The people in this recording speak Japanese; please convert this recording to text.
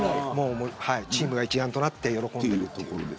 チームが一丸となって喜んでるところです。